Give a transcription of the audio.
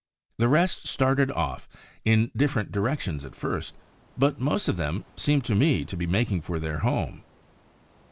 The rest started off, in different directions at first; but most of them seemed to me to be making for their home.